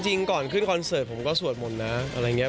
จริงก่อนขึ้นคอนเสิร์ตผมก็สวดหมดนะอะไรอย่างนี้